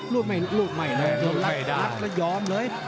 รูดไม่น่าไทยรัจเรายอมเลย